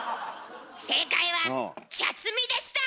正解は「茶摘」でした！